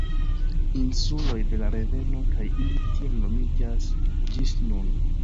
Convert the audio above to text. Insuloj de la reveno kaj ili tiel nomiĝas ĝis nun.